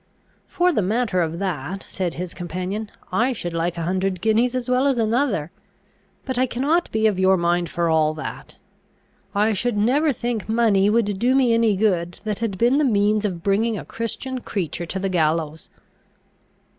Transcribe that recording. "For the matter of that," said his companion, "I should like a hundred guineas as well as another. But I cannot be of your mind for all that. I should never think money would do me any good that had been the means of bringing a Christian creature to the gallows."